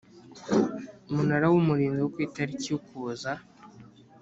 Munara w Umurinzi wo ku itariki ya Ukuboza